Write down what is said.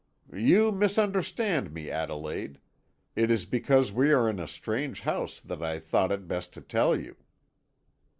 "You misunderstand me, Adelaide; it is because we are in a strange house that I thought it best to tell you."